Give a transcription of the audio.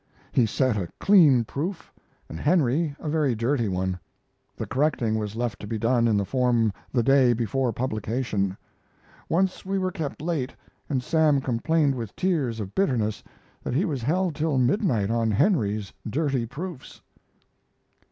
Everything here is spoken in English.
He set a clean proof, and Henry a very dirty one. The correcting was left to be done in the form the day before publication. Once we were kept late, and Sam complained with tears of bitterness that he was held till midnight on Henry's dirty proofs.